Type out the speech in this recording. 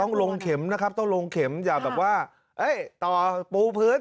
ต้องลงเข็มนะครับต้องลงเข็มอย่าแบบว่าเอ้ยต่อปูพื้น